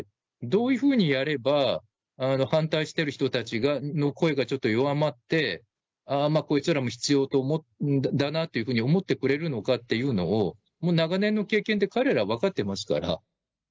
どういうふうにやれば、反対している人たちの声がちょっと弱まって、こいつらも必要だなって思ってくれるかなというのを、長年の経験で彼ら分かっていますから。